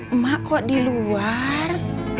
emak kok di luar